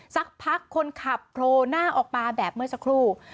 สักพักคนขับโพลหน้าออกมาแบบเมื่อสักครู่